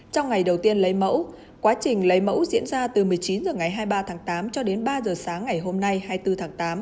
trong ngày đầu tiên lấy mẫu quá trình lấy mẫu diễn ra từ một mươi chín h ngày hai mươi ba tháng tám cho đến ba h sáng ngày hôm nay hai mươi bốn tháng tám